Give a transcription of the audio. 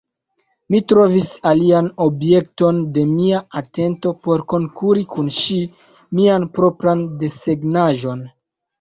Mi trovis alian objekton de mia atento por konkuri kun ŝi: mian propran desegnaĵon.